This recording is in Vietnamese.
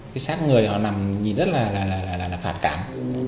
cái sát người họ nằm nhìn rất là phản cảm